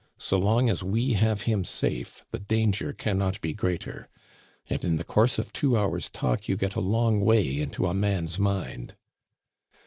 So long as we have him safe, the danger cannot be greater. And in the course of two hours' talk you get a long way into a man's mind."